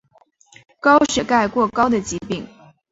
高血钙过高的疾病。